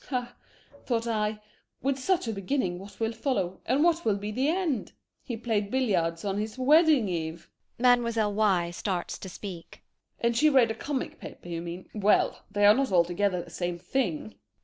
Huh, thought I, with such a beginning, what will follow, and what will be the end? He played billiards on his wedding eve! [Mlle. Y. starts to speak]. And she read a comic paper, you mean? Well, they are not altogether the same thing.